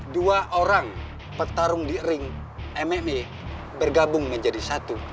dua orang petarung di ring mma bergabung menjadi satu